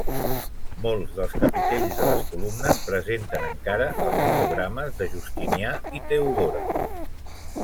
Molts dels capitells de les columnes presenten encara els monogrames de Justinià i Teodora.